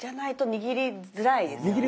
握りづらいですよね。